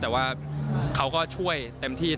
แต่ว่าเขาก็ช่วยเต็มที่